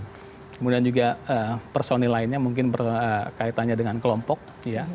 kemudian juga personil lainnya mungkin berkaitannya dengan kelompok ya